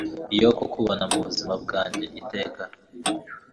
yo kukubona mu buzima bwanjye.iteka